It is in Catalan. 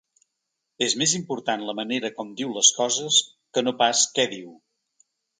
És més important la manera com diu les coses que no pas què diu.